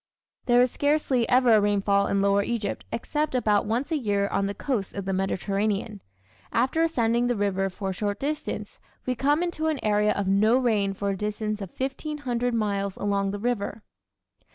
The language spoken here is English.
There is scarcely ever a rainfall in lower Egypt except about once a year on the coast of the Mediterranean. After ascending the river for a short distance we come into an area of no rain for a distance of 1500 miles along the river.